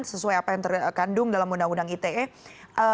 sesuai apa yang terkandung dalam undang undang ite